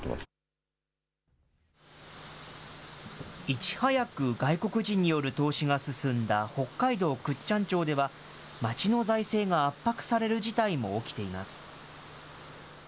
いち早く外国人による投資が進んだ北海道倶知安町では、町の財政が圧迫される事態も起きています。